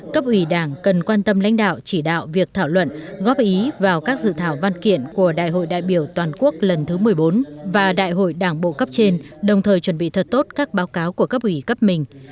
cấp ủy đảng cần quan tâm lãnh đạo chỉ đạo việc thảo luận góp ý vào các dự thảo văn kiện của đại hội đại biểu toàn quốc lần thứ một mươi bốn và đại hội đảng bộ cấp trên đồng thời chuẩn bị thật tốt các báo cáo của cấp ủy cấp mình